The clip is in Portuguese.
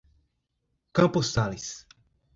Campos Sales